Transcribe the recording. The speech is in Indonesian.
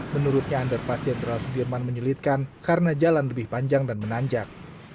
menurutnya underpass jenderal sudirman menyulitkan karena jalan lebih panjang dan menanjak